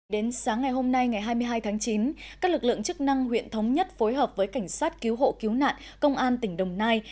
đến sáng ngày hôm nay ngày hai mươi hai tháng chín các lực lượng chức năng huyện thống nhất phối hợp với cảnh sát cứu hộ cứu nạn công an tỉnh đồng nai